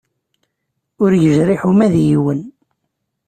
Ur yejriḥ uma d yiwen.